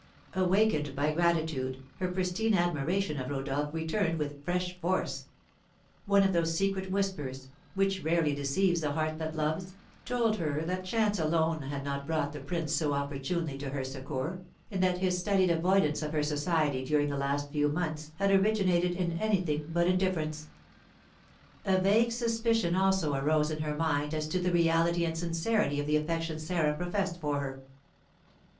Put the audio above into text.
Awakened by gratitude, her pristine admiration of Rodolph returned with fresh force; one of those secret whispers, which rarely deceives the heart that loves, told her that chance alone had not brought the prince so opportunely to her succour, and that his studied avoidance of her society during the last few months had originated in anything but indifference. A vague suspicion also arose in her mind as to the reality and sincerity of the affection Sarah professed for her.